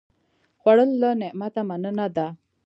خوړل له نعمته مننه ده